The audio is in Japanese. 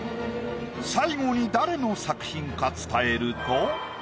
最後に誰の作品か伝えると。